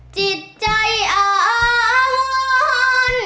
จิตใจอาว้อน